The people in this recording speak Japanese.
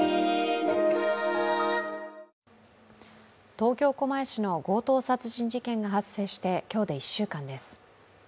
東京・狛江市の強盗殺人事件が発生して、今日で１週間です。